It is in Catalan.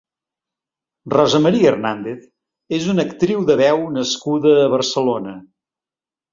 Rosa María Hernández és una actriu de veu nascuda a Barcelona.